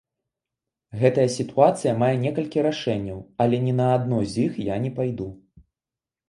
Гэтая сітуацыя мае некалькі рашэнняў, але ні на адно з іх я не пайду.